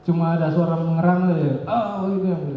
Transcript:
cuma ada suara mengerang saja oh gitu ya beliau